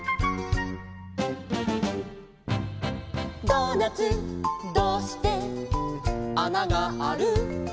「ドーナツどうして穴がある？」